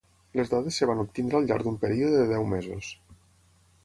Les dades es van obtenir al llarg d'un període de deu mesos.